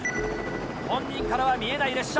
本人からは見えない列車。